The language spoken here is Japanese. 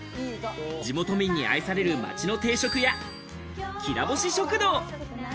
地元民に愛される街の定食屋、きらぼし食堂。